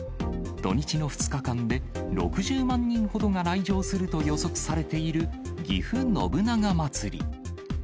土日の２日間で、６０万人ほどが来場すると予測されているぎふ信長まつり。